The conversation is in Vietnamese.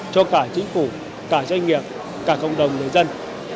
cho cả chính phủ cả doanh nghiệp cả cộng đồng người dân